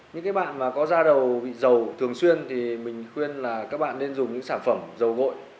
những bạn có da đầu bị dầu thường xuyên thì mình khuyên là các bạn nên dùng những sản phẩm dầu gội